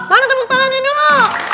mana tepuk tangan ini dulu